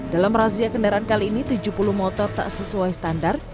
dalam razia kendaraan kali ini tujuh puluh motor tak sesuai standar